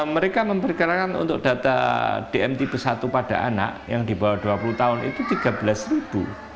mereka memperkirakan untuk data dm tipe satu pada anak yang di bawah dua puluh tahun itu tiga belas ribu